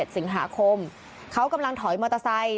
สิงหาคมเขากำลังถอยมอเตอร์ไซค์